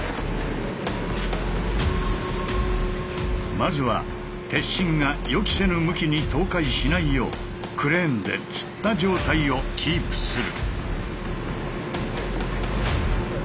まずは鉄心が予期せぬ向きに倒壊しないようクレーンでつった状態をキープする。